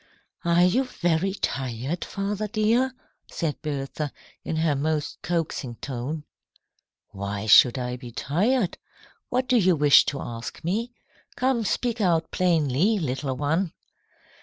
"Are you very tired, father dear?" said Bertha, in her most coaxing tone. "Why should I be tired? What do you wish to ask me? Come, speak out plainly, little one."